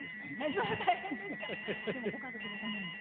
でもご家族のために。